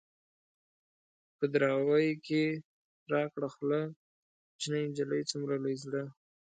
په دراوۍ کې را کړه خوله ـ کوشنۍ نجلۍ څومره لوی زړه